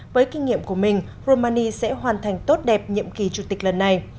với kinh nghiệm của mình romani sẽ hoàn thành tốt đẹp nhiệm kỳ chủ tịch lần này